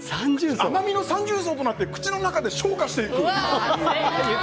甘みの三重奏となって口の中で昇華していく！